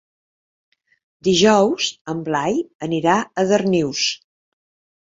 Dijous en Blai anirà a Darnius.